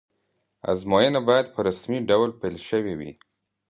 ازموینه باید په رسمي ډول پیل شوې وی.